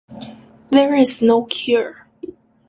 There is no cure.